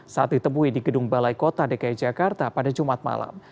saat ditemui di gedung balai kota dki jakarta pada jumat malam